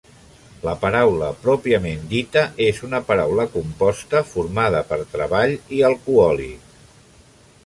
La paraula pròpiament dita és una paraula composta formada per "treball" i "alcohòlic".